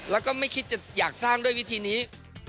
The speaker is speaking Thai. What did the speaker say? แล้วก็ไม่คิดจะอยากสร้างด้วยวิธีนี้